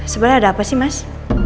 sebenarnya ada apa sih mas